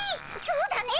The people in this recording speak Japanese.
そうだね。